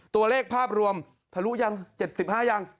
ตัวเลขภาพรวมถ้ารู้ยัง๗๕ยัง